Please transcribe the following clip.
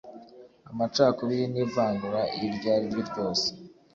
Amacakubiri n ivangura iryo ari ryo ryose